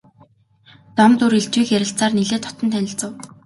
Зам зуур элдвийг ярилцсаар нэлээд дотно танилцав.